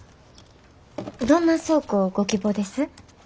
どんな倉庫ご希望です？